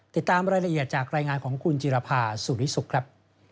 ติดตามรายละเอียดจากรายงานของคุณจิรภาสุริสุขครับ